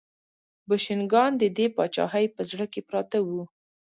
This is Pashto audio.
بوشنګان د دې پاچاهۍ په زړه کې پراته وو.